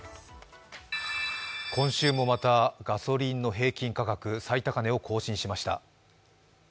今週もまたガソリンの小売価格が最高値を更新しました。